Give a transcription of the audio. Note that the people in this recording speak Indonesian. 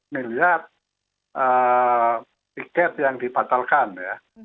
satu ratus tujuh belas miliar tiket yang dibatalkan ya